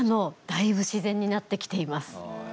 だいぶ自然になってきています。